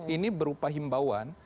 ini berupa himbauan